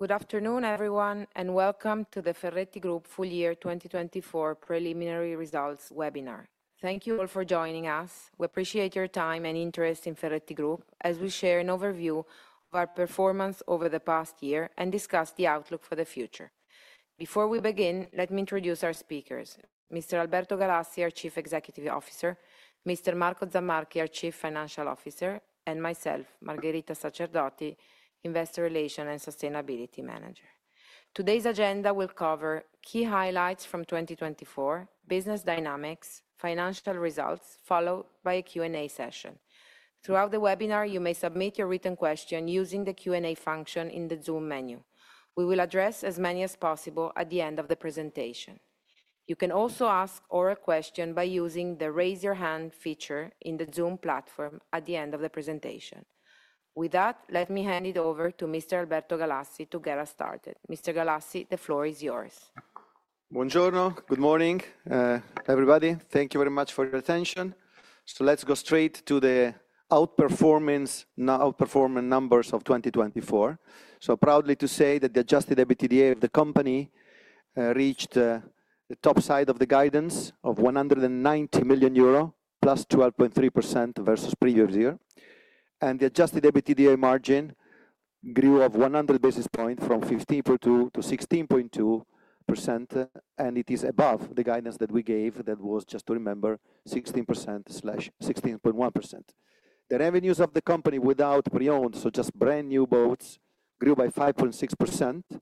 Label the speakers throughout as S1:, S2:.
S1: Good afternoon, everyone, and welcome to the Ferretti Group Full Year 2024 Preliminary Results webinar. Thank you all for joining us. We appreciate your time and interest in Ferretti Group as we share an overview of our performance over the past year and discuss the outlook for the future. Before we begin, let me introduce our speakers: Mr. Alberto Galassi, our Chief Executive Officer; Mr. Marco Zammarchi, our Chief Financial Officer; and myself, Margherita Sacerdoti, Investor Relations and Sustainability Manager. Today's agenda will cover key highlights from 2024, business dynamics, and financial results, followed by a Q&A session. Throughout the webinar, you may submit your written question using the Q&A function in the Zoom menu. We will address as many as possible at the end of the presentation. You can also ask oral questions by using the Raise Your Hand feature in the Zoom platform at the end of the presentation. With that, let me hand it over to Mr. Alberto Galassi to get us started. Mr. Galassi, the floor is yours.
S2: Buongiorno, good morning, everybody. Thank you very much for your attention. Let's go straight to the outperformance numbers of 2024. Proudly to say that the adjusted EBITDA of the company reached the top side of the guidance of 190 million euro, plus 12.3% versus previous year. The adjusted EBITDA margin grew of 100 basis points from 15.2% to 16.2%, and it is above the guidance that we gave that was just to remember 16%-16.1%. The revenues of the company without pre-owned, so just brand new boats, grew by 5.6%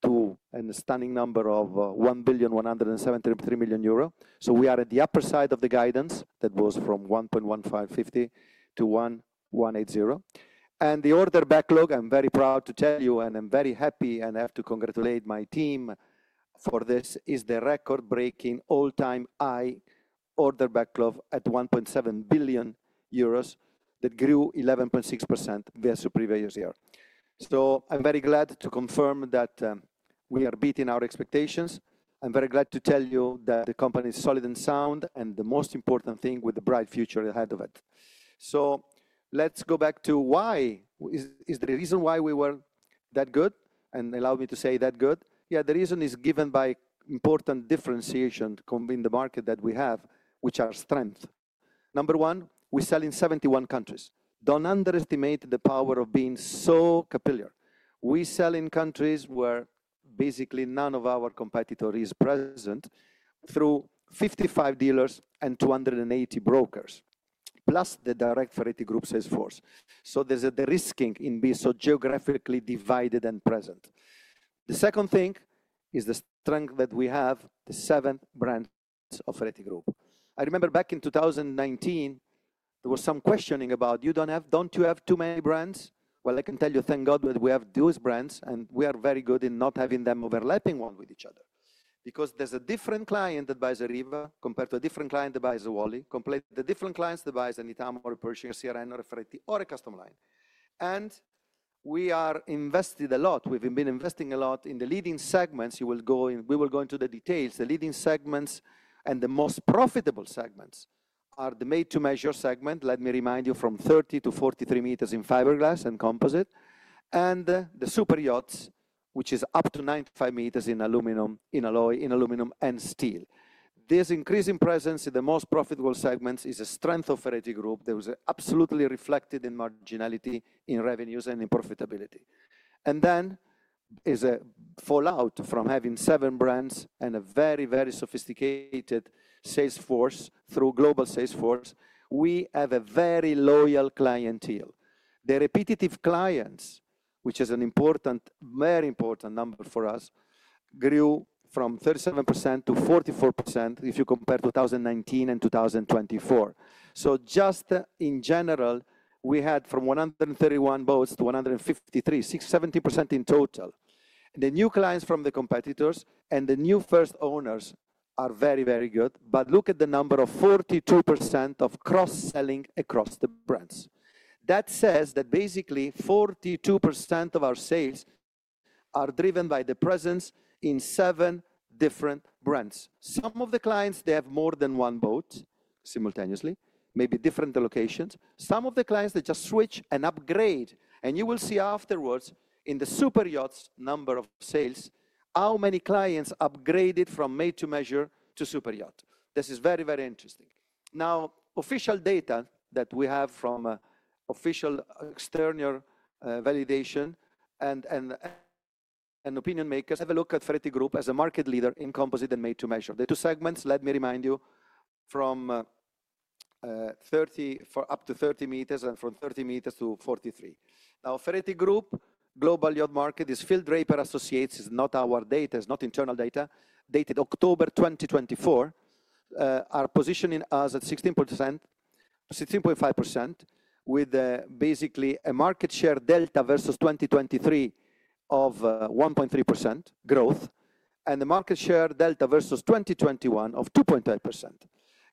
S2: to a stunning number of 1,173 million euro. We are at the upper side of the guidance that was from 1,150 million to 1,180 million. The order backlog, I'm very proud to tell you, and I'm very happy and have to congratulate my team for this, is the record-breaking all-time high order backlog at 1.7 billion euros that grew 11.6% versus previous year. I'm very glad to confirm that we are beating our expectations. I'm very glad to tell you that the company is solid and sound, and the most important thing with the bright future ahead of it. Let's go back to why. Is there a reason why we were that good? Allow me to say that good. The reason is given by important differentiation in the market that we have, which are strengths. Number one, we sell in 71 countries. Do not underestimate the power of being so peculiar. We sell in countries where basically none of our competitors is present through 55 dealers and 280 brokers, plus the direct Ferretti Group sales force. There is the risk in being so geographically divided and present. The second thing is the strength that we have, the seventh brand of Ferretti Group. I remember back in 2019, there was some questioning about, you don't have, don't you have too many brands? I can tell you, thank God that we have those brands, and we are very good in not having them overlapping one with each other because there is a different client that buys a Riva compared to a different client that buys a Wally, completely different clients that buy any time or a Pershing or a Ferretti or a Custom Line. We are invested a lot. We've been investing a lot in the leading segments. You will go in, we will go into the details. The leading segments and the most profitable segments are the made-to-measure segment. Let me remind you from 30 to 43 meters in fiberglass and composite, and the super yachts, which is up to 95 meters in aluminum, in alloy, in aluminum and steel. This increasing presence in the most profitable segments is a strength of Ferretti Group that was absolutely reflected in marginality, in revenues, and in profitability. There is a fallout from having seven brands and a very, very sophisticated sales force through global sales force. We have a very loyal clientele. The repetitive clients, which is an important, very important number for us, grew from 37% to 44% if you compare 2019 and 2024. Just in general, we had from 131 boats to 153, 70% in total. The new clients from the competitors and the new first owners are very, very good. Look at the number of 42% of cross-selling across the brands. That says that basically 42% of our sales are driven by the presence in seven different brands. Some of the clients have more than one boat simultaneously, maybe different locations. Some of the clients just switch and upgrade. You will see afterwards in the super yachts number of sales how many clients upgraded from made-to-measure to super yacht. This is very, very interesting. Now, official data that we have from official external validation and opinion makers have a look at Ferretti Group as a market leader in composite and made-to-measure. The two segments, let me remind you, from up to 30 meters and from 30 meters to 43. Now, Ferretti Group global yacht market is Field Draper Associates. It's not our data, it's not internal data. Dated October 2024, our positioning is at 16.5% with basically a market share delta versus 2023 of 1.3% growth and the market share delta versus 2021 of 2.5%.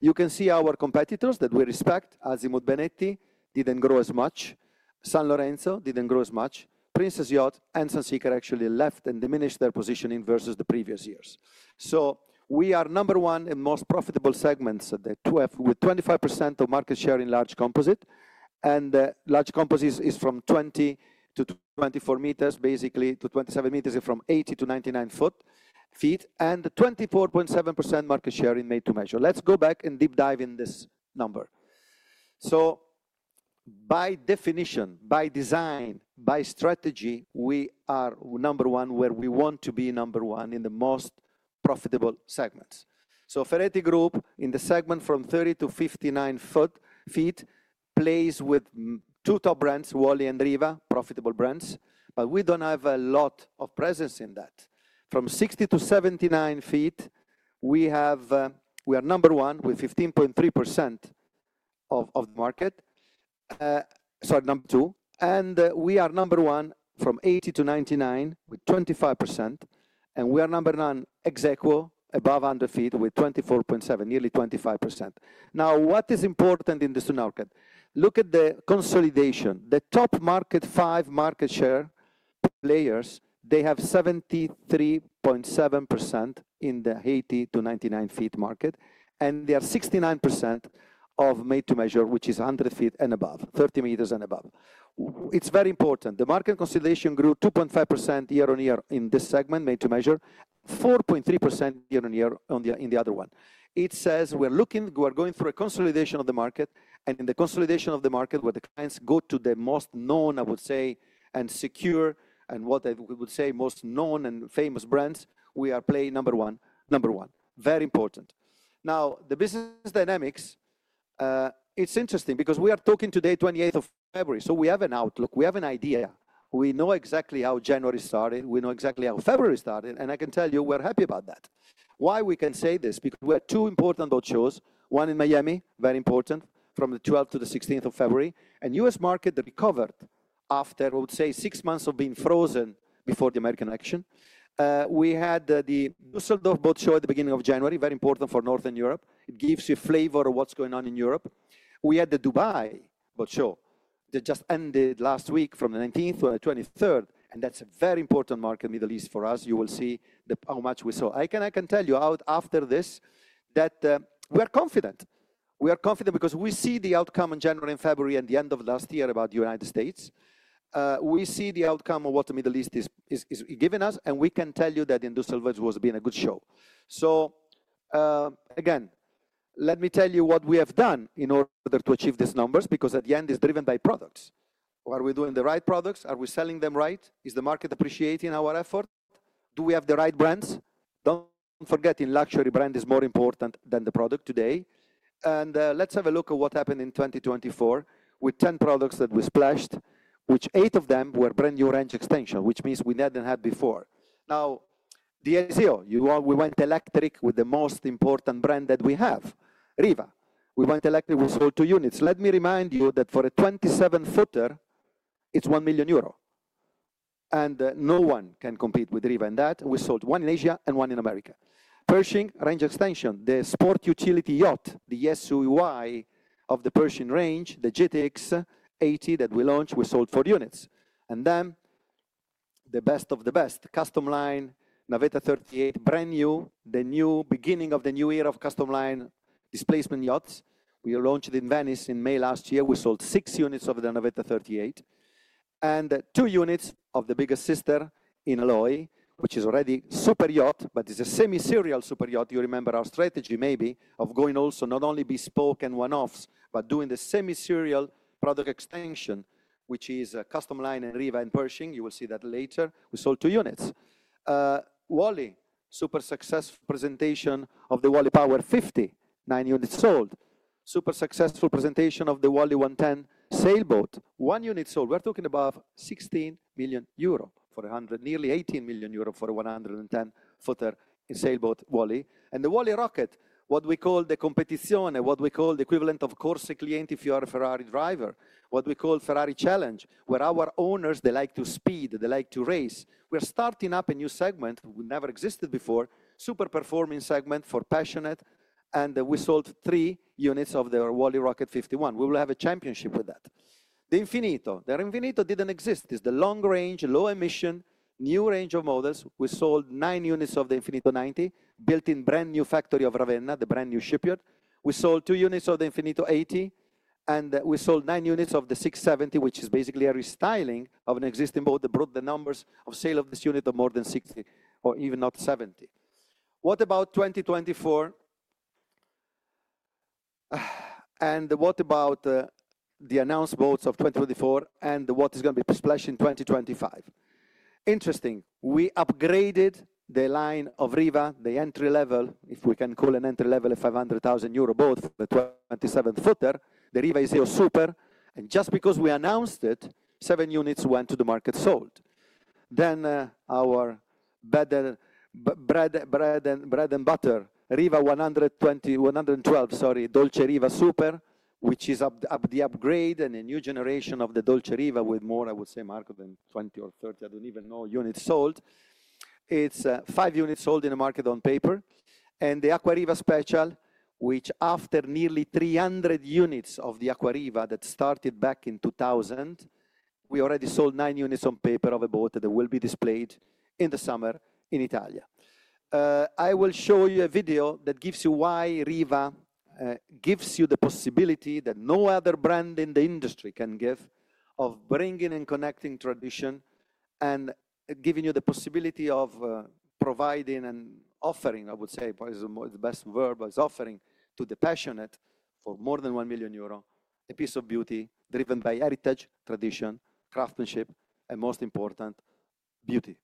S2: You can see our competitors that we respect. Azimut-Benetti didn't grow as much. Sanlorenzo didn't grow as much. Princess Yachts and Sunseeker actually left and diminished their positioning versus the previous years. We are number one in most profitable segments at the 2F with 25% of market share in large composite. Large composite is from 20-24 meters, basically to 27 meters from 80-99 feet, and 24.7% market share in made-to-measure. Let's go back and deep dive in this number. By definition, by design, by strategy, we are number one where we want to be number one in the most profitable segments. Ferretti Group in the segment from 30 to 59 feet plays with two top brands, Wally and Riva, profitable brands, but we do not have a lot of presence in that. From 60 to 79 feet, we are number two with 15.3% of the market. We are number one from 80 to 99 with 25%. We are number nine, Exequo, above 100 feet with 24.7%, nearly 25%. Now, what is important in this market? Look at the consolidation. The top five market share players have 73.7% in the 80 to 99 feet market, and they are 69% of made-to-measure, which is 100 feet and above, 30 meters and above. It is very important. The market consolidation grew 2.5% year on year in this segment, made-to-measure, 4.3% year on year in the other one. It says we're looking, we're going through a consolidation of the market, and in the consolidation of the market, where the clients go to the most known, I would say, and secure, and what I would say most known and famous brands, we are playing number one, number one. Very important. Now, the business dynamics, it's interesting because we are talking today, 28th of February, so we have an outlook, we have an idea. We know exactly how January started, we know exactly how February started, and I can tell you we're happy about that. Why we can say this? Because we have two important boat shows, one in Miami, very important, from the 12th to the 16th of February. And U.S. market that recovered after, I would say, six months of being frozen before the American election. We had the Düsseldorf boat show at the beginning of January, very important for Northern Europe. It gives you a flavor of what's going on in Europe. We had the Dubai boat show that just ended last week from the 19th to the 23rd, and that's a very important market, Middle East for us. You will see how much we saw. I can tell you after this that we are confident. We are confident because we see the outcome in January and February and the end of last year about the United States. We see the outcome of what the Middle East is giving us, and we can tell you that in Düsseldorf it was being a good show. Let me tell you what we have done in order to achieve these numbers because at the end it's driven by products. Are we doing the right products? Are we selling them right? Is the market appreciating our effort? Do we have the right brands? Don't forget in luxury brand is more important than the product today. Let's have a look at what happened in 2024 with 10 products that we splashed, which eight of them were brand new range extension, which means we never had before. Now, the SEO, we went electric with the most important brand that we have, Riva. We went electric with sold two units. Let me remind you that for a 27-footer, it's 1 million euro. No one can compete with Riva in that. We sold one in Asia and one in America. Pershing range extension, the sport utility yacht, the SUY of the Pershing range, the GTX 80 that we launched, we sold four units. The best of the best, Custom Line Navetta 38, brand new, the new beginning of the new era of Custom Line displacement yachts. We launched in Venice in May last year. We sold six units of the Navetta 38 and two units of the biggest sister in alloy, which is already a super yacht, but it is a semi-serial super yacht. You remember our strategy maybe of going also not only bespoke and one-offs, but doing the semi-serial product extension, which is Custom Line and Riva and Pershing. You will see that later. We sold two units. Wally, super successful presentation of the Wally Power 50, nine units sold. Super successful presentation of the Wally 110 sailboat, one unit sold. We are talking about 16 million euro for a 100, nearly 18 million euro for a 110-footer sailboat Wally. The Wally Rocket, what we call the competition, what we call the equivalent of Corsa Client if you are a Ferrari driver, what we call Ferrari Challenge, where our owners, they like to speed, they like to race. We are starting up a new segment that never existed before, super performing segment for passionate, and we sold three units of the Wally Rocket 51. We will have a championship with that. The Infinito, the Infinito did not exist. It is the long range, low emission, new range of models. We sold nine units of the Infinito 90, built in brand new factory of Ravenna, the brand new shipyard. We sold two units of the Infinito 80, and we sold nine units of the 670, which is basically a restyling of an existing boat that brought the numbers of sale of this unit of more than 60 or even not 70. What about 2024? What about the announced boats of 2024 and what is going to be splashed in 2025? Interesting. We upgraded the line of Riva, the entry level, if we can call an entry level a 500,000 euro boat for the 27 footer. The Riva is here, super. Just because we announced it, seven units went to the market sold. Our bread and butter, Riva 112, sorry, Dolcevita Super, which is the upgrade and a new generation of the Dolcevita with more, I would say, Marco, than 20 or 30, I do not even know units sold. It is five units sold in the market on paper. The Aquariva Special, which after nearly 300 units of the Aquariva that started back in 2000, we already sold nine units on paper of a boat that will be displayed in the summer in Italy. I will show you a video that gives you why Riva gives you the possibility that no other brand in the industry can give of bringing and connecting tradition and giving you the possibility of providing and offering, I would say, the best word was offering to the passionate for more than 1 million euro, a piece of beauty driven by heritage, tradition, craftsmanship, and most important beauty.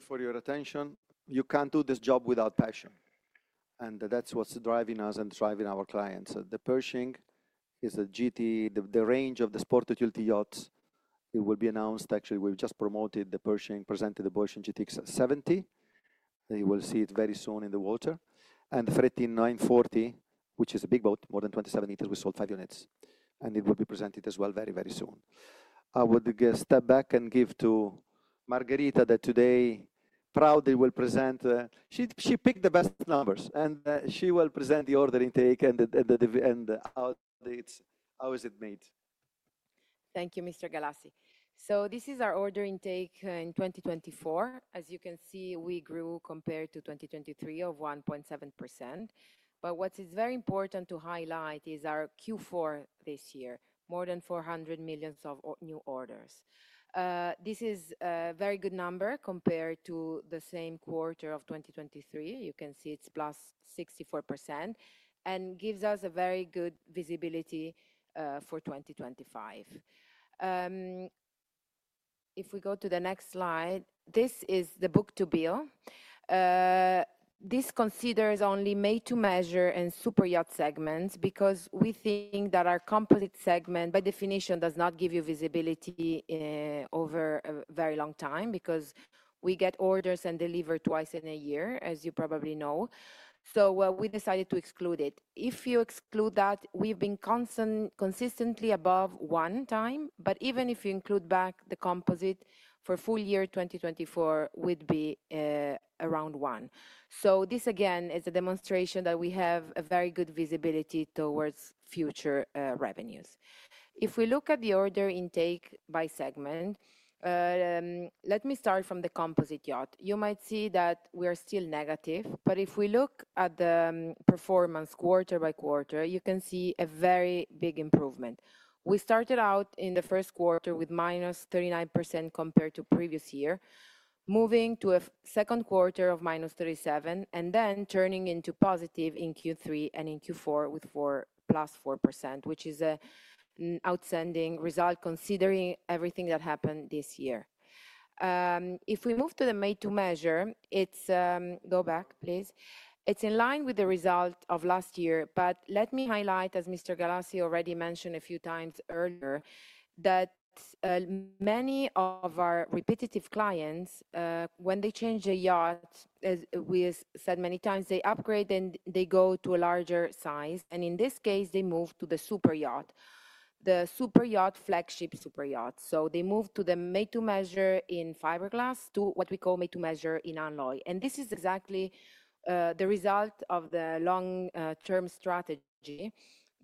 S2: Thank you for your attention. You can't do this job without passion. That's what's driving us and driving our clients. The Pershing is a GT, the range of the sport utility yachts. It will be announced. Actually, we've just promoted the Pershing, presented the Pershing GTX 70. You will see it very soon in the water. Ferretti 940, which is a big boat, more than 27 meters, we sold five units. It will be presented as well very, very soon. I would step back and give to Margherita that today proudly will present. She picked the best numbers and she will present the order intake and how it's made.
S1: Thank you, Mr. Galassi. This is our order intake in 2024. As you can see, we grew compared to 2023 by 1.7%. What is very important to highlight is our Q4 this year, more than 400 million of new orders. This is a very good number compared to the same quarter of 2023. You can see it's plus 64% and gives us a very good visibility for 2025. If we go to the next slide, this is the book to bill. This considers only made-to-measure and super yacht segments because we think that our complete segment by definition does not give you visibility over a very long time because we get orders and deliver twice in a year, as you probably know. We decided to exclude it. If you exclude that, we've been consistently above one time, but even if you include back the composite for full year 2024, we'd be around one. This again is a demonstration that we have a very good visibility towards future revenues. If we look at the order intake by segment, let me start from the composite yacht. You might see that we are still negative, but if we look at the performance quarter by quarter, you can see a very big improvement. We started out in the first quarter with minus 39% compared to previous year, moving to a second quarter of minus 37% and then turning into positive in Q3 and in Q4 with plus 4%, which is an outstanding result considering everything that happened this year. If we move to the made-to-measure, it's go back, please. It's in line with the result of last year, but let me highlight, as Mr. Galassi already mentioned a few times earlier, that many of our repetitive clients, when they change the yacht, as we said many times, they upgrade and they go to a larger size. In this case, they moved to the super yacht, the super yacht flagship super yacht. They moved to the made-to-measure in fiberglass to what we call made-to-measure in Alloy. This is exactly the result of the long-term strategy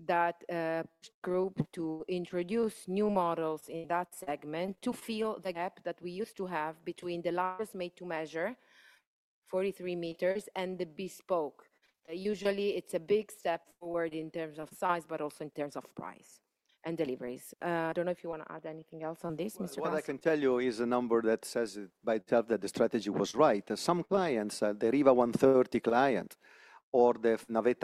S1: that the group used to introduce new models in that segment to fill the gap that we used to have between the largest made-to-measure, 43 meters, and the bespoke. Usually, it is a big step forward in terms of size, but also in terms of price and deliveries. I do not know if you want to add anything else on this, Mr. Galassi.
S2: What I can tell you is a number that says by itself that the strategy was right. Some clients, the Riva 130 client or the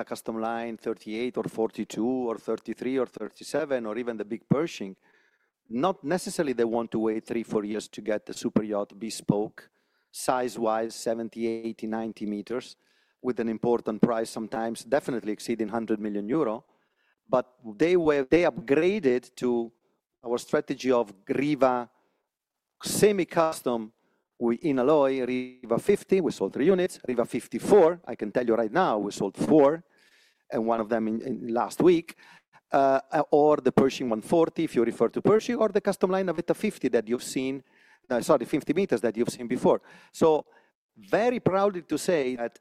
S2: Custom Line Navetta 38 or 42 or 33 or 37 or even the big Pershing, not necessarily they want to wait three, four years to get the super yacht bespoke size-wise, 70-80-90 meters with an important price sometimes definitely exceeding 100 million euro. They upgraded to our strategy of Riva semi-custom in alloy, Riva 50, we sold three units, Riva 54, I can tell you right now we sold four and one of them last week, or the Pershing 140 if you refer to Pershing or the Custom Line Navetta 50 that you've seen, sorry, 50 meters that you've seen before. Very proudly to say that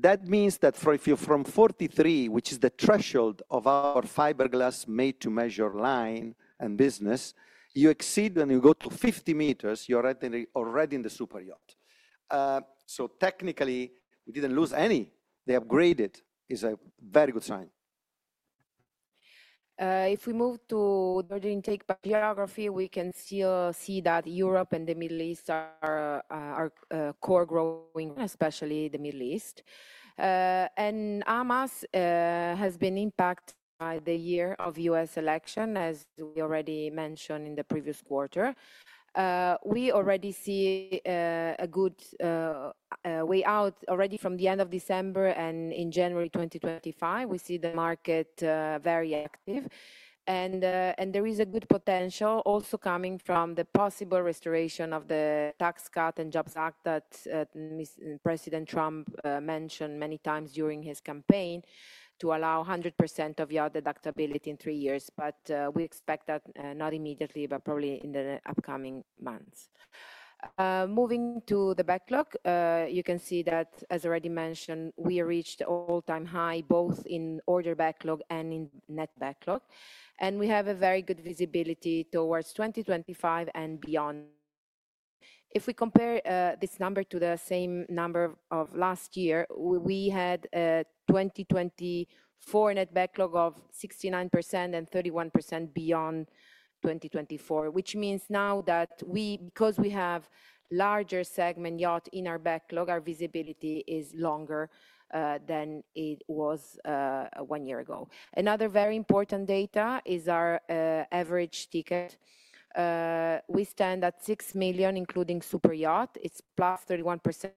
S2: that means that if you're from 43, which is the threshold of our fiberglass made-to-measure line and business, you exceed when you go to 50 meters, you're already in the super yacht. Technically, we didn't lose any. They upgraded is a very good sign.
S1: If we move to the order intake biography, we can still see that Europe and the Middle East are core growing, especially the Middle East. Amas has been impacted by the year of U.S. election, as we already mentioned in the previous quarter. We already see a good way out already from the end of December and in January 2025. We see the market very active. There is a good potential also coming from the possible restoration of the Tax Cut and Jobs Act that President Trump mentioned many times during his campaign to allow 100% of your deductibility in three years. We expect that not immediately, but probably in the upcoming months. Moving to the backlog, you can see that, as already mentioned, we reached all-time high both in order backlog and in net backlog. We have a very good visibility towards 2025 and beyond. If we compare this number to the same number of last year, we had a 2024 net backlog of 69% and 31% beyond 2024, which means now that we, because we have larger segment yacht in our backlog, our visibility is longer than it was one year ago. Another very important data is our average ticket. We stand at 6 million, including super yacht. It's plus 31%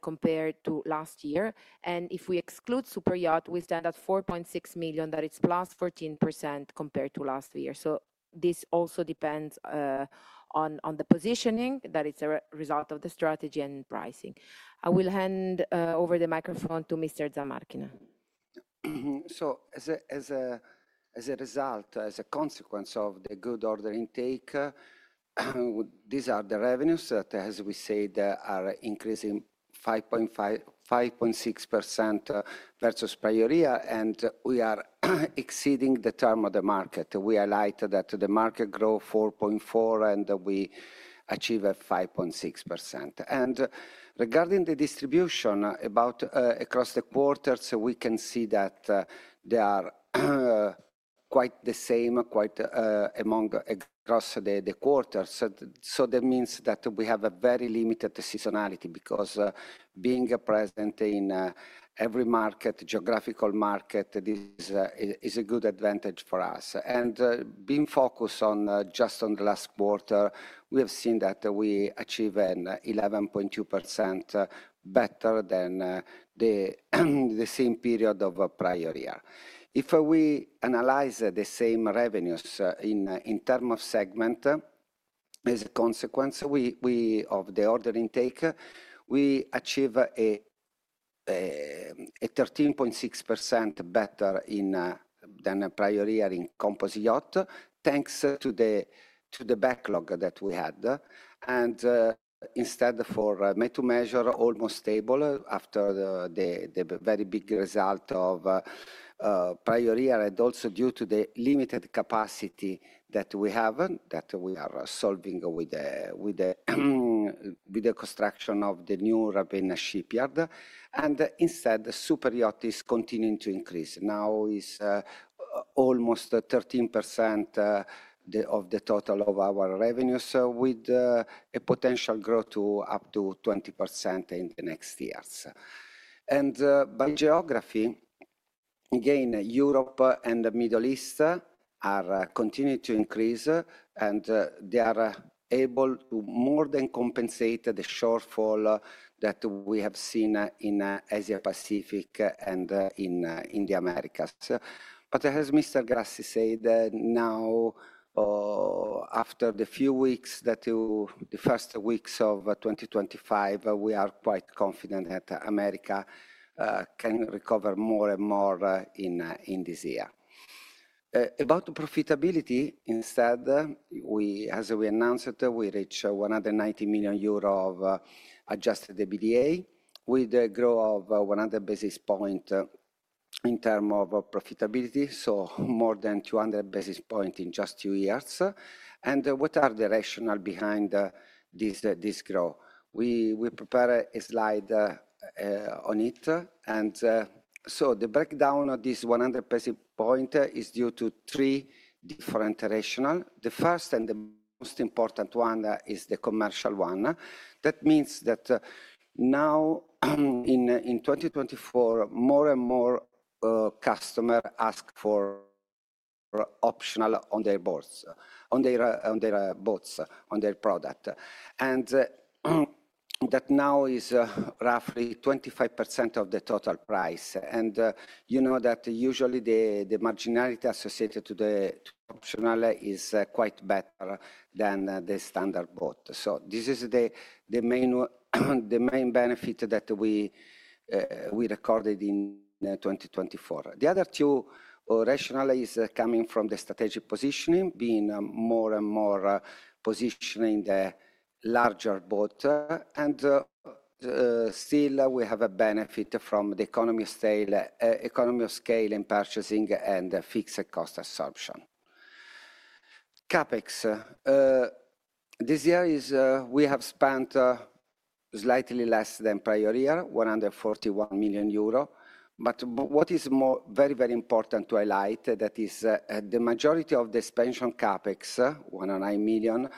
S1: compared to last year. If we exclude super yacht, we stand at 4.6 million, that it's plus 14% compared to last year. This also depends on the positioning that it's a result of the strategy and pricing. I will hand over the microphone to Mr. Zammarchi.
S3: As a result, as a consequence of the good order intake, these are the revenues that, as we said, are increasing 5.6% versus prior year. We are exceeding the term of the market. We highlight that the market grow 4.4% and we achieve a 5.6%. Regarding the distribution across the quarters, we can see that they are quite the same, quite among across the quarters. That means that we have a very limited seasonality because being present in every market, geographical market, is a good advantage for us. Being focused on just on the last quarter, we have seen that we achieve an 11.2% better than the same period of prior year. If we analyze the same revenues in terms of segment, as a consequence of the order intake, we achieve a 13.6% better than prior year in composite yacht, thanks to the backlog that we had. Instead, for made-to-measure, almost stable after the very big result of the prior year and also due to the limited capacity that we have that we are solving with the construction of the new Ravenna shipyard. Instead, the super yacht is continuing to increase. Now it is almost 13% of the total of our revenues with a potential growth up to 20% in the next years. By geography, again, Europe and the Middle East are continuing to increase and they are able to more than compensate the shortfall that we have seen in Asia-Pacific and in the Americas. As Mr. Galassi said, now after the first weeks of 2025, we are quite confident that America can recover more and more in this year. About profitability, instead, as we announced it, we reached 190 million euro of adjusted EBITDA with a growth of 100 basis points in terms of profitability, so more than 200 basis points in just two years. What are the rationales behind this growth? We prepared a slide on it. The breakdown of this 100 basis point is due to three different rationales. The first and the most important one is the commercial one. That means that now in 2024, more and more customers ask for optional on their boats, on their boats, on their product. That now is roughly 25% of the total price. You know that usually the marginality associated to the optional is quite better than the standard boat. This is the main benefit that we recorded in 2024. The other two rationales are coming from the strategic positioning, being more and more positioning the larger boat. Still, we have a benefit from the economy of scale in purchasing and fixed cost assumption. CapEx, this year we have spent slightly less than prior year, 141 million euro. What is very, very important to highlight, that is the majority of the expansion CapEx, 109 million,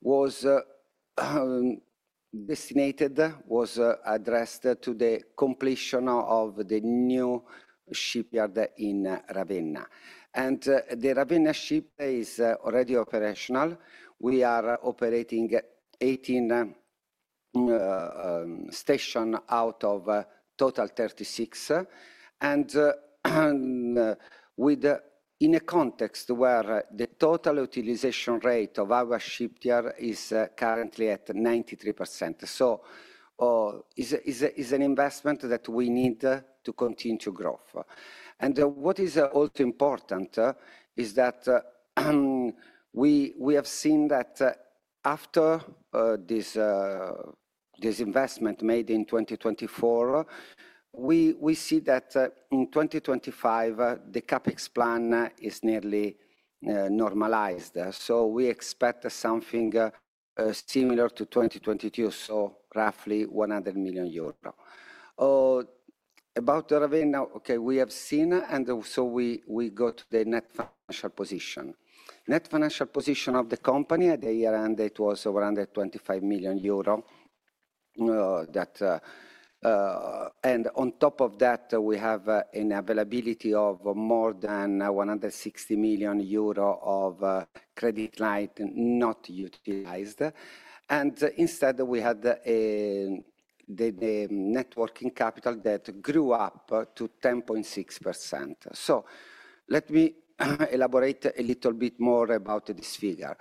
S3: was destinated, was addressed to the completion of the new shipyard in Ravenna. The Ravenna ship is already operational. We are operating 18 stations out of total 36. In a context where the total utilization rate of our shipyard is currently at 93%, it is an investment that we need to continue to grow. What is also important is that we have seen that after this investment made in 2024, we see that in 2025, the CapEx plan is nearly normalized. We expect something similar to 2022, so roughly 100 million euros. About Ravenna, okay, we have seen, and we got the net financial position. Net financial position of the company at the year-end, it was 125 million euro. On top of that, we have an availability of more than 160 million euro of credit line not utilized. Instead, we had the networking capital that grew up to 10.6%. Let me elaborate a little bit more about this figure.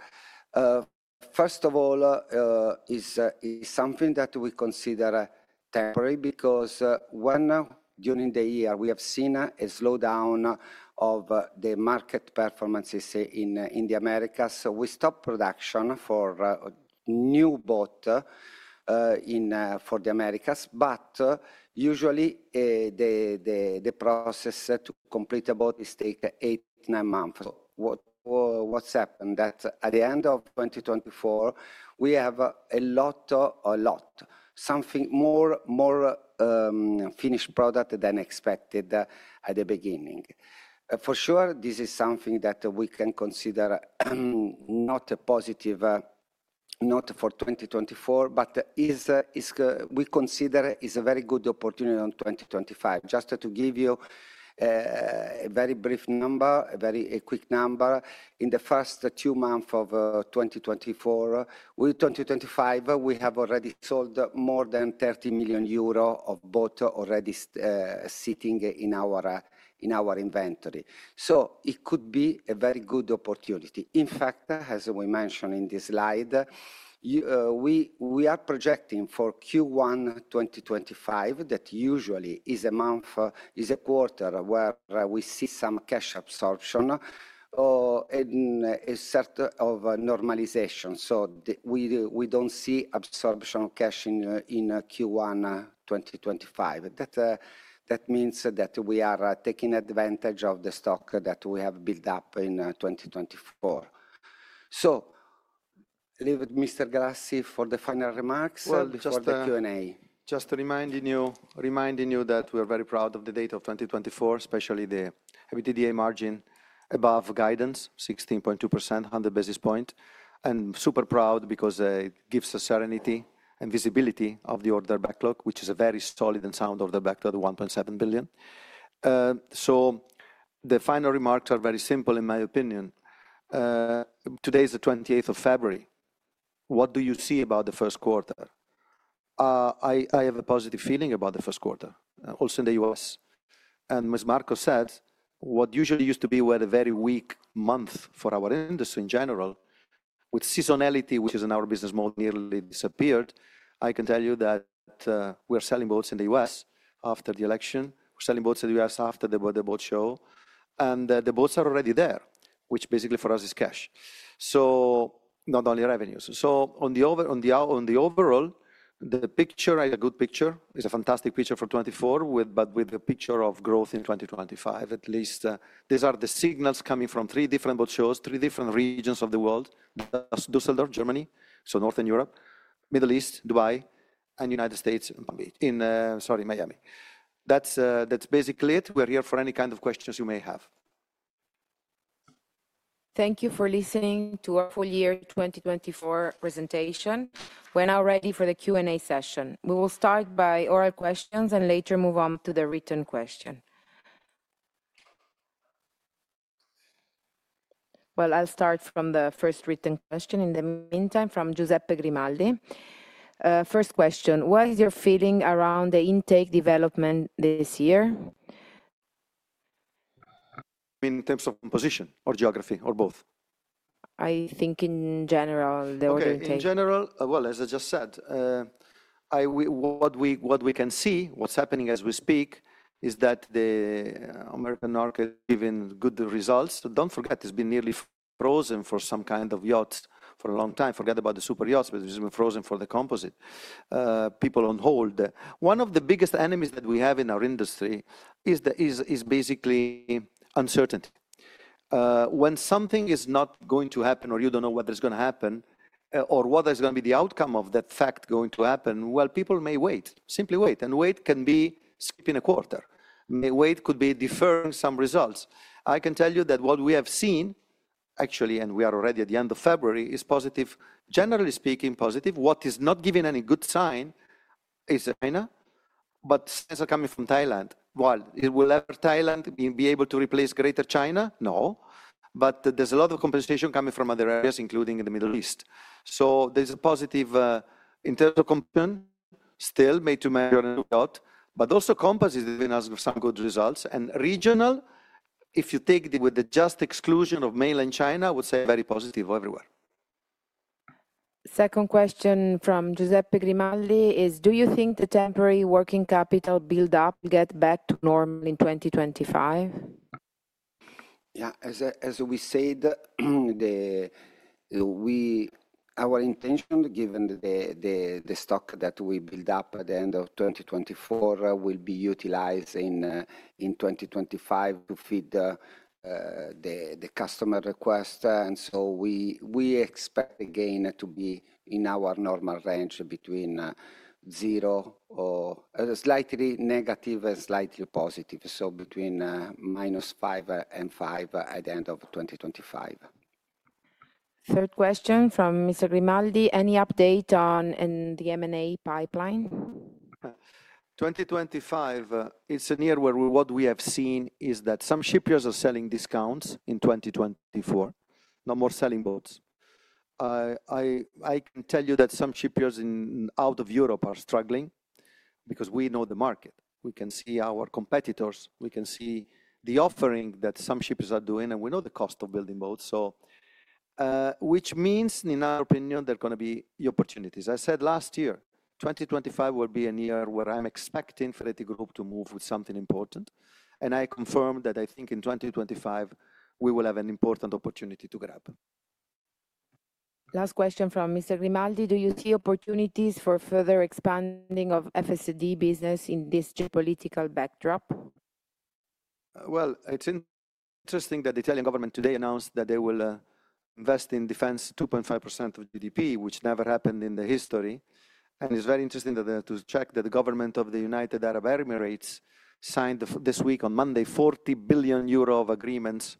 S3: First of all, it is something that we consider temporary because when during the year we have seen a slowdown of the market performances in the Americas, we stopped production for new boat for the Americas. Usually, the process to complete a boat takes eight, nine months. What happened is that at the end of 2024, we have a lot, a lot, something more finished product than expected at the beginning. For sure, this is something that we can consider not a positive note for 2024, but we consider it's a very good opportunity in 2025. Just to give you a very brief number, a very quick number, in the first two months of 2024, with 2025, we have already sold more than 30 million euro of boat already sitting in our inventory. It could be a very good opportunity. In fact, as we mentioned in this slide, we are projecting for Q1 2025 that usually is a month, is a quarter where we see some cash absorption and a set of normalization. We do not see absorption of cash in Q1 2025. That means that we are taking advantage of the stock that we have built up in 2024. Leave it, Mr. Galassi, for the final remarks or just the Q&A.
S2: Just reminding you that we are very proud of the date of 2024, especially the EBITDA margin above guidance, 16.2%, 100 basis points. Super proud because it gives us serenity and visibility of the order backlog, which is a very solid and sound order backlog of 1.7 billion. The final remarks are very simple in my opinion. Today is the 28th of February. What do you see about the first quarter? I have a positive feeling about the first quarter, also in the U.S.As Marco said, what usually used to be a very weak month for our industry in general, with seasonality, which is in our business mode, nearly disappeared, I can tell you that we are selling boats in the U.S. after the election. We're selling boats in the U.S. after the boat show. The boats are already there, which basically for us is cash. Not only revenues. On the overall, the picture is a good picture. It's a fantastic picture for 2024, with a picture of growth in 2025 at least. These are the signals coming from three different boat shows, three different regions of the world. Düsseldorf, Germany, so northern Europe, Middle East, Dubai, and the United States in Miami. That's basically it. We are here for any kind of questions you may have.
S1: Thank you for listening to our full year 2024 presentation. We are now ready for the Q&A session. We will start by oral questions and later move on to the written question. I will start from the first written question in the meantime from Giuseppe Grimaldi. First question, what is your feeling around the intake development this year? In terms of composition or geography or both?
S2: I think in general, the order intake. In general, as I just said, what we can see, what's happening as we speak, is that the American market is giving good results. Don't forget, it's been nearly frozen for some kind of yachts for a long time. Forget about the super yachts, but it's been frozen for the composite people on hold. One of the biggest enemies that we have in our industry is basically uncertainty. When something is not going to happen or you don't know whether it's going to happen or whether it's going to be the outcome of that fact going to happen, people may wait, simply wait. Wait can be skipping a quarter. Wait could be deferring some results. I can tell you that what we have seen, actually, and we are already at the end of February, is positive, generally speaking, positive. What is not giving any good sign is China, but sales are coming from Thailand. Will ever Thailand be able to replace greater China? No. There is a lot of compensation coming from other areas, including in the Middle East. There is a positive in terms of compensation still made to manual yacht, but also composite is giving us some good results. Regional, if you take with the just exclusion of mainland China, I would say very positive everywhere.
S1: Second question from Giuseppe Grimaldi is, do you think the temporary working capital build-up will get back to normal in 2025?
S3: Yeah, as we said, our intention, given the stock that we build up at the end of 2024, will be utilized in 2025 to feed the customer request. We expect again to be in our normal range between zero or slightly negative and slightly positive, so between -5 and 5 at the end of 2025.
S1: Third question from Mr. Grimaldi, any update on the M&A pipeline?
S2: 2025, it's a year where what we have seen is that some shipyards are selling discounts in 2024, no more selling boats. I can tell you that some shipyards out of Europe are struggling because we know the market. We can see our competitors. We can see the offering that some shipyards are doing, and we know the cost of building boats, which means in our opinion, there are going to be opportunities. I said last year, 2025 will be a year where I'm expecting Ferretti Group to move with something important. I confirm that I think in 2025, we will have an important opportunity to grab.
S1: Last question from Mr. Grimaldi, do you see opportunities for further expanding of FSD business in this geopolitical backdrop?
S2: It's interesting that the Italian government today announced that they will invest in defense 2.5% of GDP, which never happened in the history. It's very interesting to check that the government of the United Arab Emirates signed this week on Monday $40 billion of agreements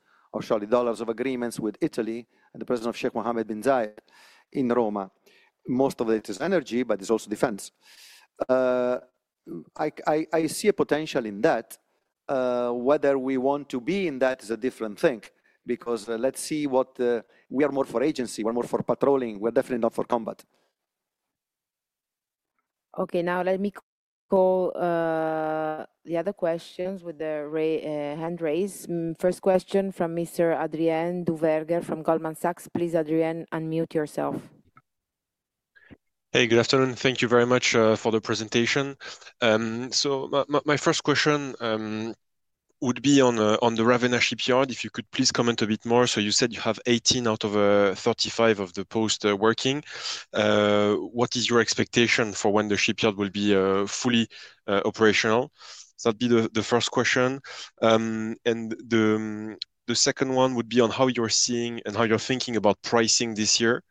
S2: with Italy and the president Sheikh Mohammed bin Zayed in Roma. Most of it is energy, but it's also defense. I see a potential in that. Whether we want to be in that is a different thing because let's see what we are more for agency. We're more for patrolling. We're definitely not for combat.
S1: Okay, now let me call the other questions with the hand raise. First question from Mr. Adrien Du verger from Goldman Sachs.
S4: Please, Adrien, unmute yourself. Hey, good afternoon. Thank you very much for the presentation. My first question would be on the Ravenna shipyard, if you could please comment a bit more. You said you have 18 out of 35 of the posts working. What is your expectation for when the shipyard will be fully operational? That would be the first question. The second one would be on how you're seeing and how you're thinking about pricing this year,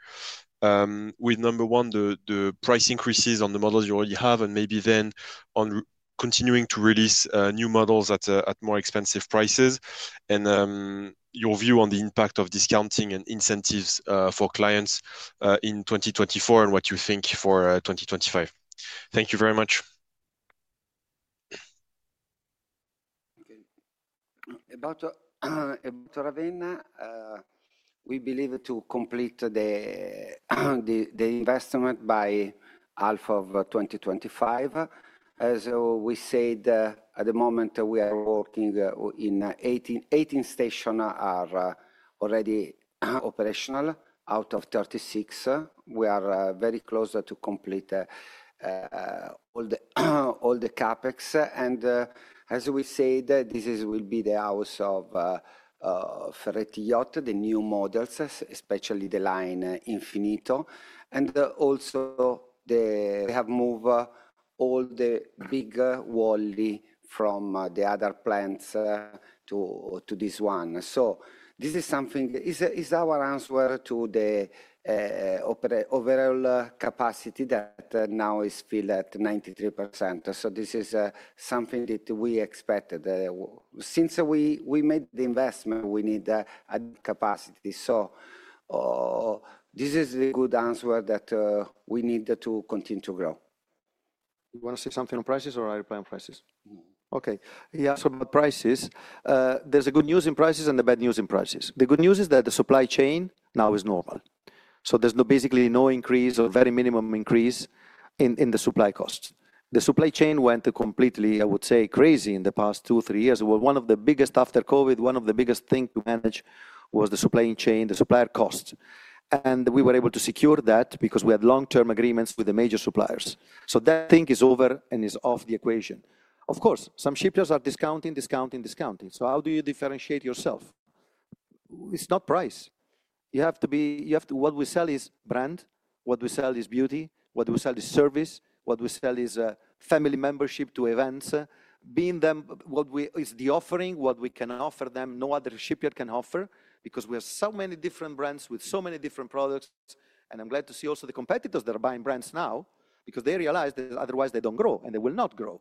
S4: with number one, the price increases on the models you already have, and maybe then on continuing to release new models at more expensive prices, and your view on the impact of discounting and incentives for clients in 2024 and what you think for 2025. Thank you very much.
S3: About Ravenna, we believe to complete the investment by half of 2025. As we said, at the moment, we are working in 18 stations are already operational out of 36. We are very close to complete all the CapEx. As we said, this will be the house of Ferretti Yacht, the new models, especially the line Infinito. Also, they have moved all the big Wally from the other plants to this one. This is something that is our answer to the overall capacity that now is filled at 93%. This is something that we expected. Since we made the investment, we need a capacity. This is a good answer that we need to continue to grow.
S4: You want to say something on prices or are you playing prices?
S2: Okay, yeah, about prices, there is good news in prices and the bad news in prices. The good news is that the supply chain now is normal. There is basically no increase or very minimum increase in the supply costs. The supply chain went completely, I would say, crazy in the past two, three years. One of the biggest after COVID, one of the biggest things to manage was the supply chain, the supplier costs. We were able to secure that because we had long-term agreements with the major suppliers. That thing is over and is off the equation. Of course, some shipyards are discounting, discounting, discounting.
S3: How do you differentiate yourself? It is not price. What we sell is brand. What we sell is beauty. What we sell is service. What we sell is family membership to events. Being them what we is the offering, what we can offer them, no other shipyard can offer because we have so many different brands with so many different products. I'm glad to see also the competitors that are buying brands now because they realize that otherwise they don't grow and they will not grow.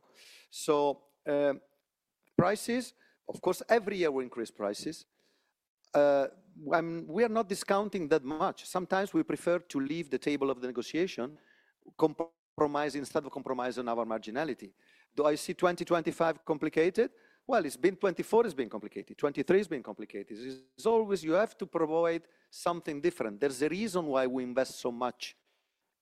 S3: Prices, of course, every year we increase prices. We are not discounting that much. Sometimes we prefer to leave the table of the negotiation instead of compromise on our marginality. Do I see 2025 complicated? It's been 2024, it's been complicated. 2023 has been complicated. You always have to provide something different. There's a reason why we invest so much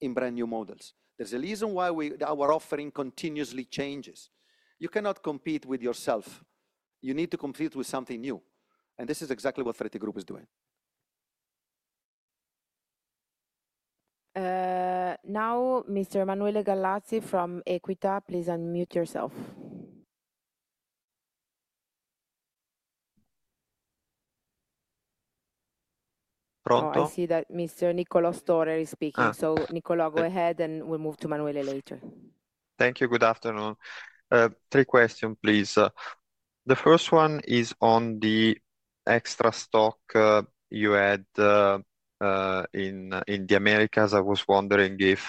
S3: in brand new models. There's a reason why our offering continuously changes. You cannot compete with yourself. You need to compete with something new. This is exactly what Ferretti Group is doing. Now,
S1: Mr. Emanuele Galazzi from Equita, please unmute yourself. Pronto. I see that Mr. Niccolò Guido Storer is speaking. Niccolò, go ahead and we'll move to Manuela later. Thank you. Good afternoon. Three questions, please. The first one is on the extra stock you had in the Americas. I was wondering if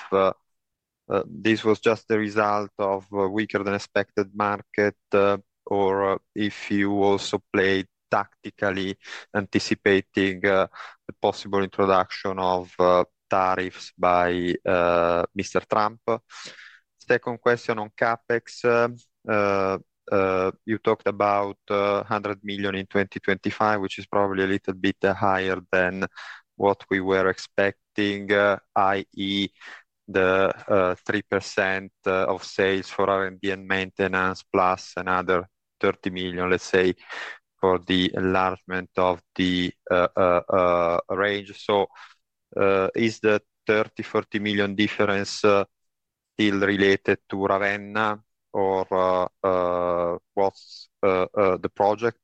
S1: this was just the result of a weaker than expected market or if you also played tactically anticipating the possible introduction of tariffs by Mr. Trump. Second question on CapEx. You talked about 100 million in 2025, which is probably a little bit higher than what we were expecting, i.e., the 3% of sales for R&D and maintenance plus another 30 million, let's say, for the enlargement of the range. Is the 30-40 million difference still related to Ravenna or what's the project?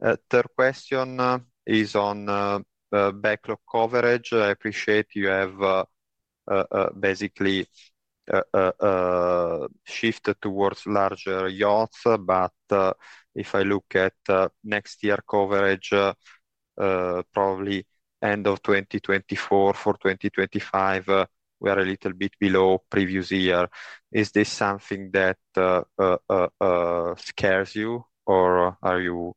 S1: Third question is on backlog coverage. I appreciate you have basically shifted towards larger yachts, but if I look at next year coverage, probably end of 2024 for 2025, we are a little bit below previous year. Is this something that scares you or are you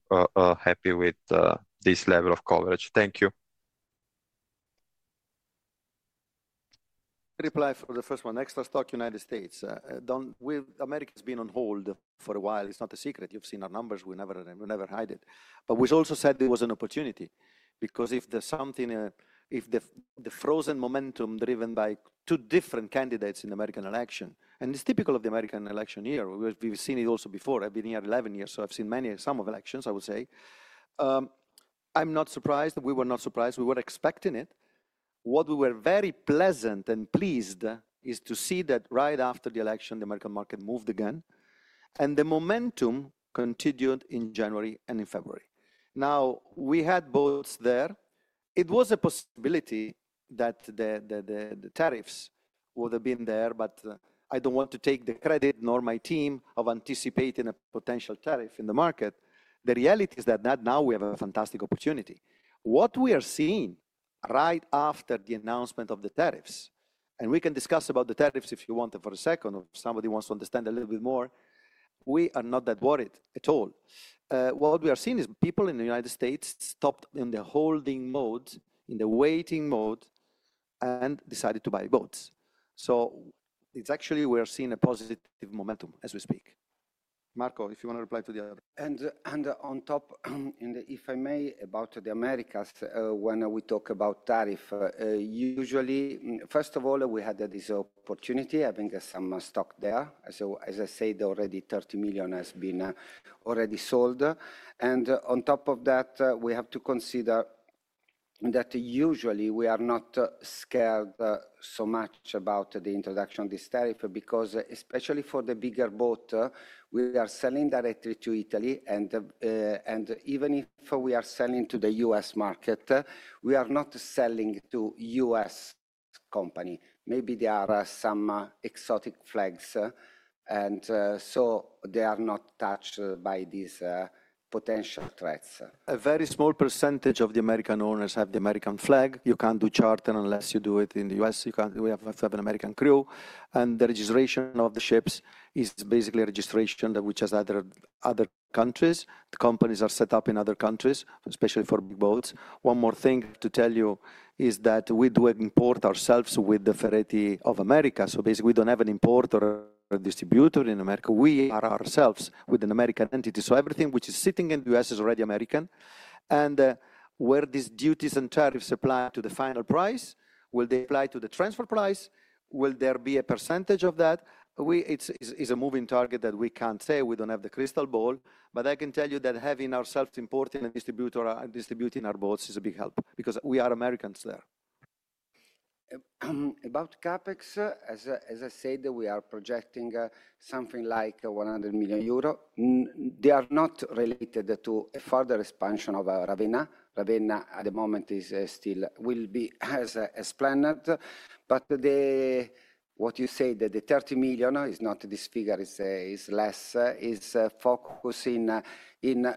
S1: happy with this level of coverage? Thank you.
S2: Reply for the first one. Extra stock United States. With America has been on hold for a while. It's not a secret. You've seen our numbers. We never hide it. We also said there was an opportunity because if there's something, if the frozen momentum driven by two different candidates in the American election, and it's typical of the American election year, we've seen it also before. I've been here 11 years, so I've seen many, some of elections, I would say. I'm not surprised. We were not surprised. We were expecting it. What we were very pleasant and pleased is to see that right after the election, the American market moved again. The momentum continued in January and in February. Now, we had boats there. It was a possibility that the tariffs would have been there, but I do not want to take the credit nor my team of anticipating a potential tariff in the market. The reality is that now we have a fantastic opportunity. What we are seeing right after the announcement of the tariffs, and we can discuss about the tariffs if you want for a second or somebody wants to understand a little bit more, we are not that worried at all. What we are seeing is people in the United States stopped in the holding mode, in the waiting mode, and decided to buy boats. It is actually we are seeing a positive momentum as we speak. Marco, if you want to reply to the other.
S3: If I may, about the Americas, when we talk about tariff, usually, first of all, we had this opportunity. I think there's some stock there. As I said, already 30 million has been already sold. On top of that, we have to consider that usually we are not scared so much about the introduction of this tariff because especially for the bigger boat, we are selling directly to Italy. Even if we are selling to the U.S. market, we are not selling to U.S. company. Maybe there are some exotic flags, and so they are not touched by these potential threats.
S2: A very small percentage of the American owners have the American flag. You can't do charter unless you do it in the U.S. We have to have an American crew. The registration of the ships is basically a registration that we just added other countries. The companies are set up in other countries, especially for big boats. One more thing to tell you is that we do import ourselves with the Ferretti of America. Basically, we do not have an importer or a distributor in the U.S. We are ourselves with an American entity. Everything which is sitting in the U.S. is already American. Where these duties and tariffs apply to the final price, will they apply to the transfer price? Will there be a percentage of that? It is a moving target that we cannot say. We do not have the crystal ball. I can tell you that having ourselves importing and distributing our boats is a big help because we are Americans there.
S3: About CapEx, as I said, we are projecting something like 100 million euro. They are not related to further expansion of Ravenna. Ravenna at the moment is still will be as planned. What you say, the 30 million is not this figure, is less, is focusing in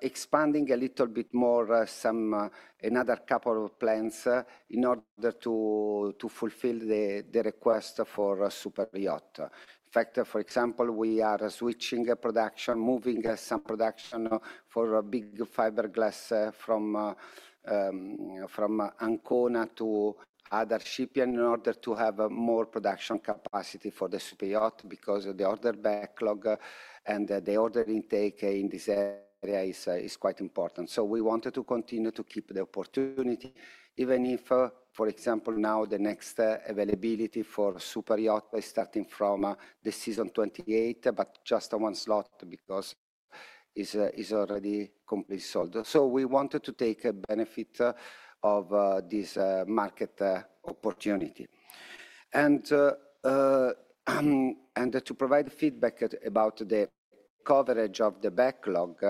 S3: expanding a little bit more some another couple of plants in order to fulfill the request for super yacht. In fact, for example, we are switching production, moving some production for a big fiberglass from Ancona to other shipping in order to have more production capacity for the super yacht because of the order backlog and the order intake in this area is quite important. We wanted to continue to keep the opportunity even if, for example, now the next availability for super yacht is starting from the season 2028, but just one slot because it is already completely sold. We wanted to take a benefit of this market opportunity. To provide feedback about the coverage of the backlog,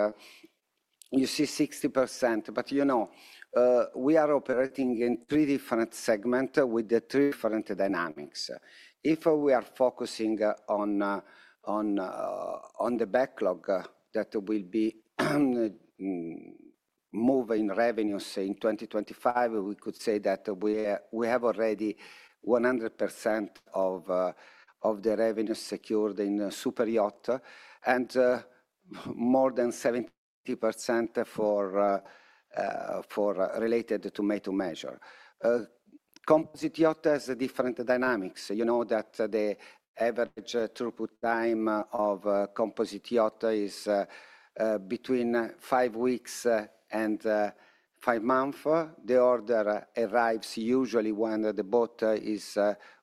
S3: you see 60%, but you know we are operating in three different segments with three different dynamics. If we are focusing on the backlog that will be moving revenues in 2025, we could say that we have already 100% of the revenue secured in super yacht and more than 70% related to made-to-measure. Composite yacht has different dynamics. You know that the average throughput time of composite yacht is between five weeks and five months. The order arrives usually when the boat is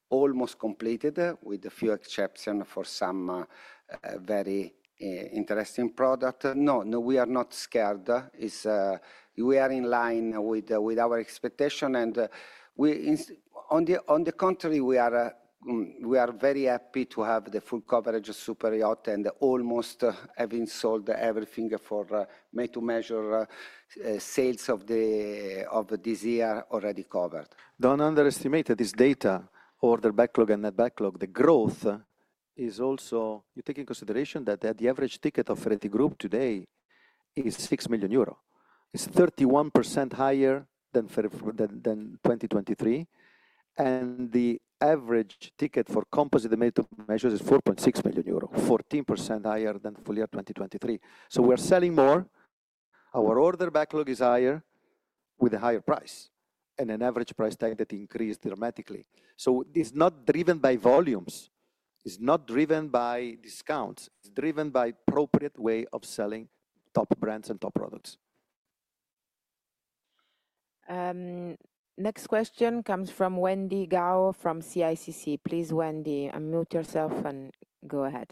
S3: almost completed with a few exceptions for some very interesting product. No, we are not scared. We are in line with our expectation. On the contrary, we are very happy to have the full coverage of super yacht and almost having sold everything for made-to-measure sales of this year already covered.
S2: Don't underestimate this data or the backlog and that backlog. The growth is also you take into consideration that the average ticket of Ferretti Group today is 6 million euro. It's 31% higher than 2023. And the average ticket for composite measures is 4.6 million euro, 14% higher than full year 2023. We are selling more. Our order backlog is higher with a higher price and an average price tag that increased dramatically. It is not driven by volumes. It is not driven by discounts. It is driven by appropriate way of selling top brands and top products.
S1: Next question comes from Wendy Gau from CICC. Please, Wendy, unmute yourself and go ahead.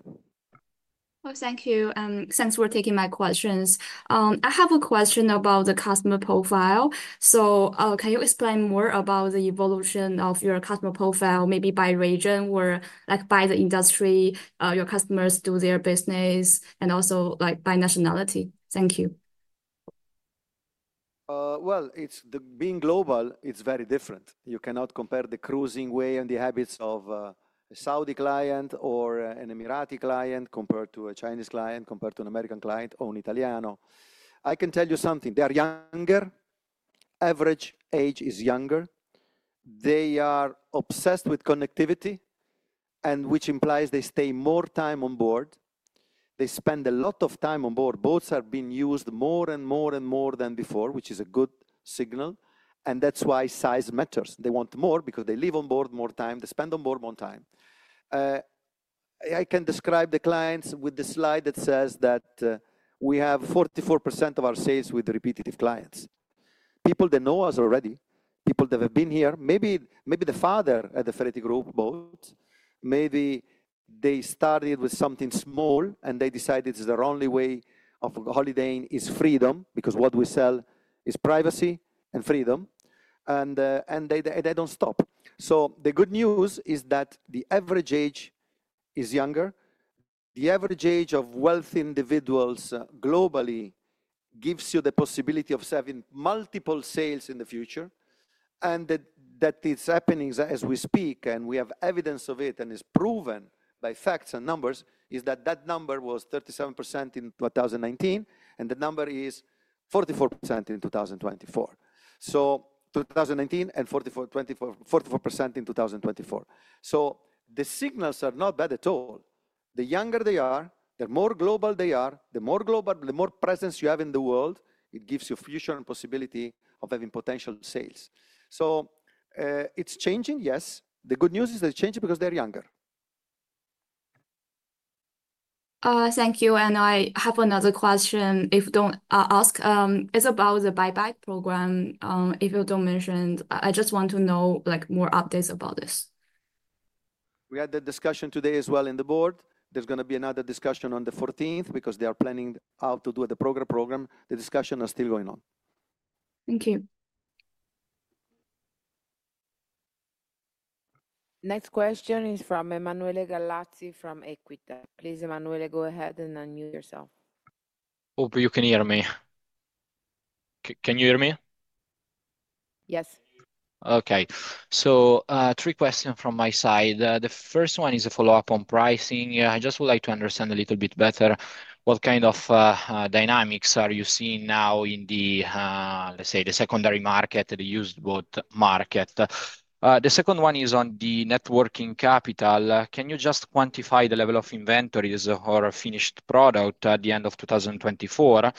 S1: Thank you. Thanks for taking my questions. I have a question about the customer profile. Can you explain more about the evolution of your customer profile, maybe by region or by the industry your customers do their business and also by nationality? Thank you.
S2: Being global, it's very different. You cannot compare the cruising way and the habits of a Saudi client or an Emirati client compared to a Chinese client, compared to an American client or an Italiano. I can tell you something. They are younger. Average age is younger. They are obsessed with connectivity, which implies they stay more time on board. They spend a lot of time on board. Boats are being used more and more and more than before, which is a good signal. That is why size matters. They want more because they live on board more time. They spend on board more time. I can describe the clients with the slide that says that we have 44% of our sales with repeated clients. People that know us already, people that have been here, maybe the father had the Ferretti Group boats, maybe they started with something small and they decided it's their only way of holidaying is freedom because what we sell is privacy and freedom. They don't stop. The good news is that the average age is younger. The average age of wealthy individuals globally gives you the possibility of having multiple sales in the future. That is happening as we speak and we have evidence of it and is proven by facts and numbers. That number was 37% in 2019 and the number is 44% in 2024. 2019 and 44% in 2024. The signals are not bad at all. The younger they are, the more global they are, the more global, the more presence you have in the world, it gives you future and possibility of having potential sales. It is changing, yes. The good news is they're changing because they're younger. Thank you. I have another question. If you don't ask, it's about the BuyBike program. If you don't mention, I just want to know more updates about this. We had the discussion today as well in the board. There is going to be another discussion on the 14th because they are planning how to do the program. The discussion is still going on. Thank you.
S1: Next question is from Emanuele Galazzi from EQUITA. Please, Emanuele, go ahead and unmute yourself. Hope you can hear me. Can you hear me? Yes. Okay. Three questions from my side. The first one is a follow-up on pricing.
S5: I just would like to understand a little bit better what kind of dynamics are you seeing now in the, let's say, the secondary market, the used boat market. The second one is on the networking capital. Can you just quantify the level of inventories or finished product at the end of 2024?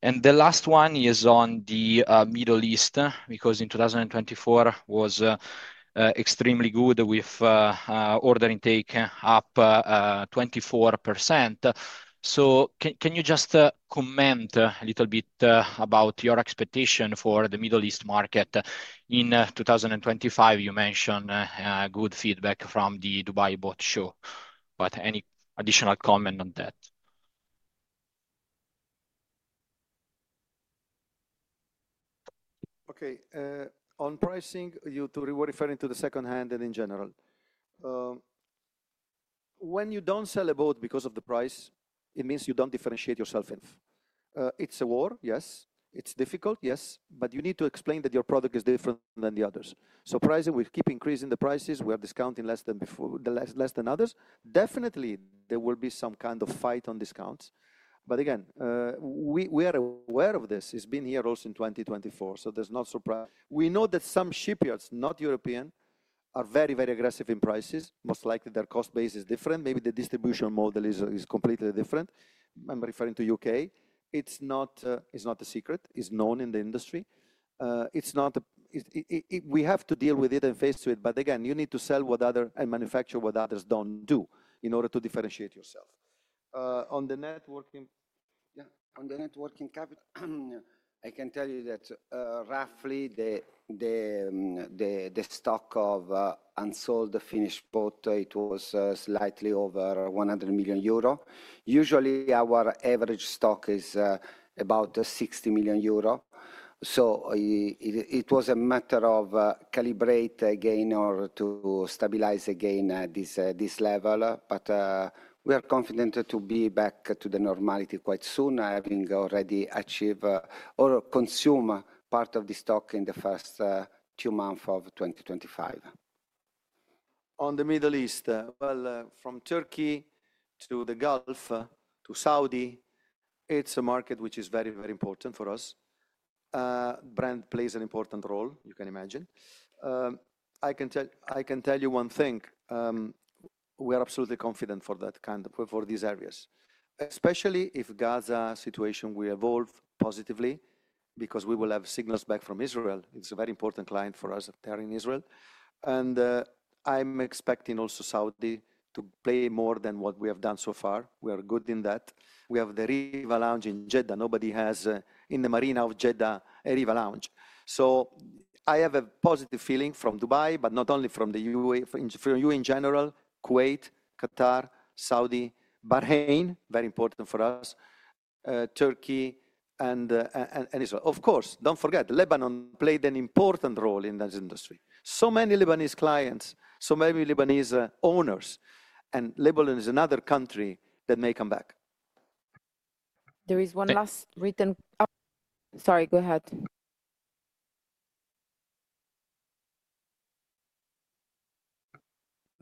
S5: The last one is on the Middle East because in 2024 was extremely good with order intake up 24%. Can you just comment a little bit about your expectation for the Middle East market in 2025? You mentioned good feedback from the Dubai boat show. Any additional comment on that? On pricing, you were referring to the second hand and in general. When you don't sell a boat because of the price, it means you don't differentiate yourself in. It's a war, yes. It's difficult, yes. You need to explain that your product is different than the others. Pricing, we keep increasing the prices. We are discounting less than before, less than others. Definitely, there will be some kind of fight on discounts. Again, we are aware of this. It's been here also in 2024. There is no surprise. We know that some shipyards, not European, are very, very aggressive in prices. Most likely, their cost base is different. Maybe the distribution model is completely different. I'm referring to the U.K. It's not a secret. It's known in the industry. We have to deal with it and face it. Again, you need to sell what others and manufacture what others do not do in order to differentiate yourself. On the networking, yeah, on the networking capital, I can tell you that roughly the stock of unsold finished boat, it was slightly over 100 million euro. Usually, our average stock is about 60 million euro. It was a matter of calibrate again or to stabilize again at this level. We are confident to be back to the normality quite soon, having already achieved or consumed part of the stock in the first two months of 2025. On the Middle East, from Turkey to the Gulf to Saudi, it's a market which is very, very important for us. Brand plays an important role, you can imagine. I can tell you one thing. We are absolutely confident for that kind of for these areas, especially if Gaza situation will evolve positively because we will have signals back from Israel. It's a very important client for us there in Israel. I am expecting also Saudi to play more than what we have done so far. We are good in that. We have the Riva Lounge in Jeddah. Nobody has in the Marina of Jeddah a Riva Lounge. I have a positive feeling from Dubai, but not only from the UAE, from the UAE in general, Kuwait, Qatar, Saudi, Bahrain, very important for us, Turkey, and Israel. Of course, do not forget, Lebanon played an important role in this industry. So many Lebanese clients, so many Lebanese owners. Lebanon is another country that may come back.
S1: There is one last written. Sorry, go ahead.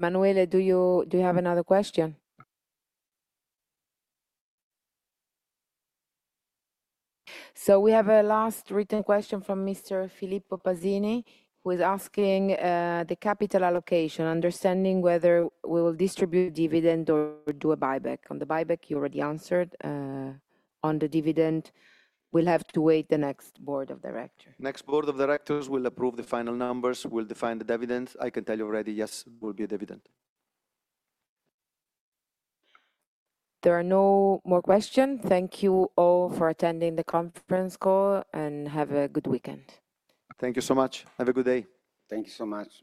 S1: Manuele, do you have another question? We have a last written question from Mr. Filippo Pazzini, who is asking the capital allocation, understanding whether we will distribute dividend or do a buyback. On the buyback, you already answered.
S2: On the dividend, we'll have to wait the next board of directors. Next board of directors will approve the final numbers, will define the dividends. I can tell you already, yes, there will be a dividend. There are no more questions. Thank you all for attending the conference call and have a good weekend. Thank you so much. Have a good day. Thank you so much.